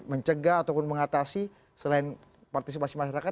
mencegah ataupun mengatasi selain partisipasi masyarakat